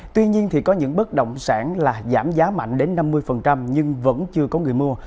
tuy nhiên có những bất động sản giảm giá mạnh đến năm mươi nhưng vẫn chưa có người mua